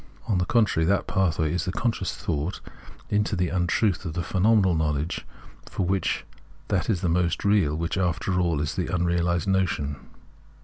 On the contrary, that pathway is the conscious insight into the untruth of the phenomenal knowledge, for which that is the most real which is after all only the unreaUsed notion.